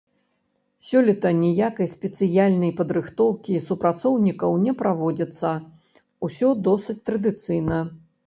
Сёлета ніякай спецыяльнай падрыхтоўкі супрацоўнікаў не праводзіцца, усё досыць традыцыйна.